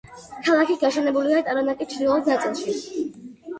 ქალაქი გაშენებულია ტარანაკის ჩრდილოეთ ნაწილში.